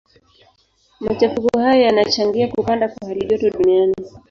Machafuko hayo yanachangia kupanda kwa halijoto duniani.